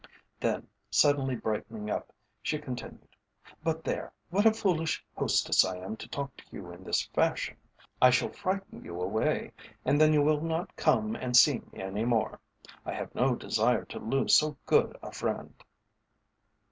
Then suddenly brightening up, she continued: "But there; what a foolish hostess I am to talk to you in this fashion. I shall frighten you away, and then you will not come and see me any more. I have no desire to lose so good a friend."